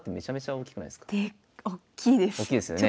大きいですよね。